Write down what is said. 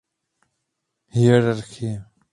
Hierarchie.